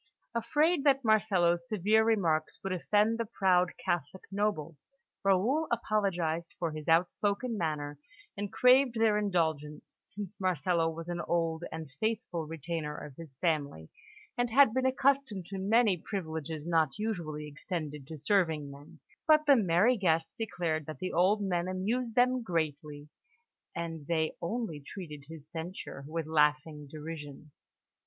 Afraid that Marcello's severe remarks would offend the proud Catholic nobles, Raoul apologised for his outspoken manner, and craved their indulgence, since Marcello was an old and faithful retainer of his family, and had been accustomed to many privileges not usually extended to serving men; but the merry guests declared that the old man amused them greatly, and they only treated his censure with laughing derision.